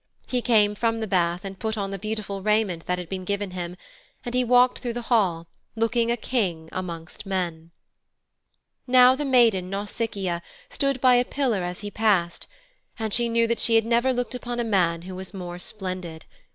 He came from the bath and put on the beautiful raiment that had been given him and he walked through the hall, looking a king amongst men. Now the maiden, Nausicaa, stood by a pillar as he passed, and she knew that she had never looked upon a man who was more splendid.